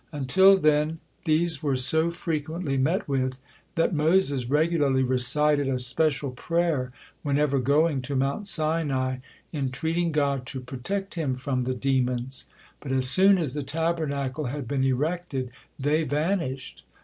Until then these were so frequently met with, that Moses regularly recited a special prayer whenever going to Mount Sinai, entreating God to protect him from the demons. But as soon as the Tabernacle had been erected, they vanished.